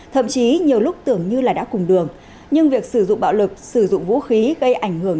thậm chí nhiều lúc tưởng như là đã cùng đường nhưng việc sử dụng bạo lực sử dụng vũ khí gây ảnh hưởng